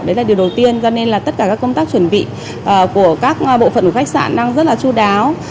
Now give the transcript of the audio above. đấy là điều đầu tiên cho nên là tất cả các công tác chuẩn bị của các bộ phận của khách sạn đang rất là chú đáo